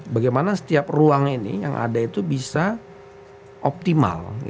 bagaimana setiap ruang ini yang ada itu bisa optimal